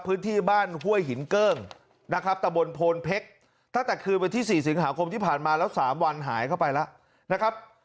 พื้นที่บ้านห้วยหินเกิ้งนะครับตะบนโพนเพชรตั้งแต่คืนวันที่๔สิงหาคมที่ผ่านมาแล้ว๓วันหายเข้าไปแล้วนะครับ